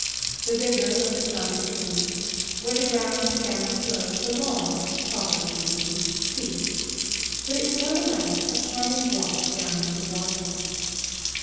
The river was at some distance; where the ground began to slope the lawn, properly speaking, ceased. But it was none the less a charming walk down to the water.